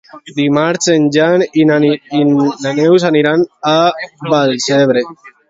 Dimarts en Jan i na Neus aniran a Vallcebre.